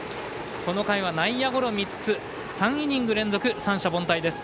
この回は内野ゴロ３つ３イニング連続三者凡退です。